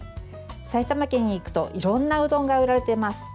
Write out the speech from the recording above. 埼玉県に行くといろんなうどんが売られています。